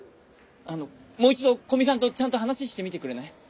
もう一度古見さんとちゃんと話してみてくれない？